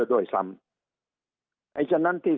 สุดท้ายก็ต้านไม่อยู่